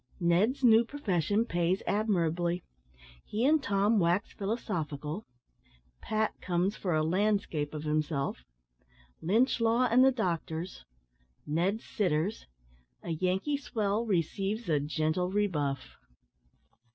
NED'S NEW PROFESSION PAYS ADMIRABLY HE AND TOM WAX PHILOSOPHICAL "PAT" COMES FOR A "LANDSCAPE" OF HIMSELF LYNCH LAW AND THE DOCTORS NED'S SITTERS A YANKEE SWELL RECEIVES A GENTLE REBUFF.